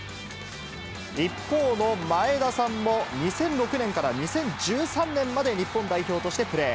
一方の前田さんも、２００６年から２０１３年まで日本代表としてプレー。